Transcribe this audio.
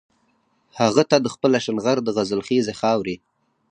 هغه ته د خپل اشنغر د غزل خيزې خاورې